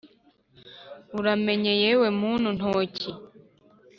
uramenye yewe muntu ntoki